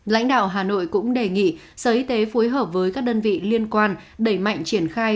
lãnh đạo hà nội cũng đề nghị sở y tế phối hợp với các đơn vị liên quan đẩy mạnh triển khai